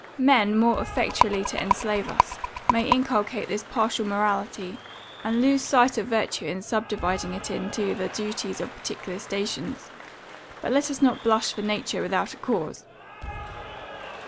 Men, more effectually to enslave us, may inculcate this partial morality, and lose sight of virtue in subdividing it into the duties of particular stations; but let us not blush for nature without a cause!